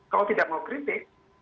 kalau tidak mau kritik